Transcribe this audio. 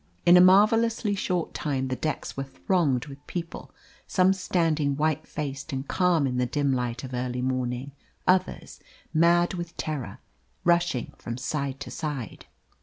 In a marvellously short time the decks were thronged with people, some standing white faced and calm in the dim light of early morning; others, mad with terror, rushing from side to side.